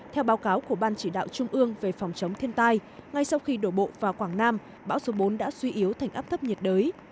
theo báo cáo của ban chỉ đạo trung ương về phòng chống thiên tai ngay sau khi đổ bộ vào quảng nam bão số bốn đã suy yếu thành áp thấp nhiệt đới